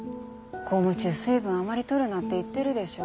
公務中水分あまり取るなって言ってるでしょ。